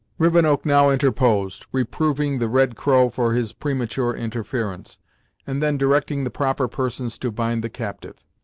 Rivenoak now interposed, reproving the Red Crow for his premature interference, and then directing the proper persons to bind the captive.